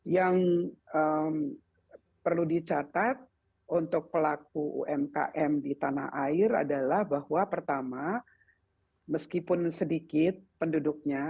yang perlu dicatat untuk pelaku umkm di tanah air adalah bahwa pertama meskipun sedikit penduduknya